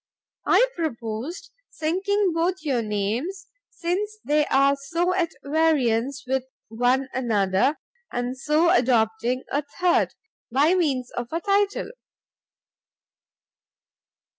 I proposed sinking both your names, since they are so at variance with one another, and so adopting a third, by means of a title.